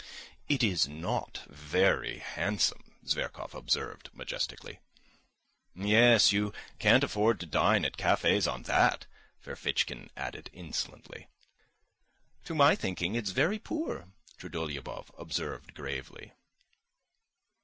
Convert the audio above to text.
"It is not very handsome," Zverkov observed majestically. "Yes, you can't afford to dine at cafés on that," Ferfitchkin added insolently. "To my thinking it's very poor," Trudolyubov observed gravely.